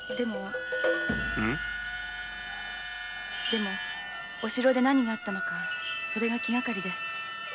でもお城で何があったのかそれが気がかりです。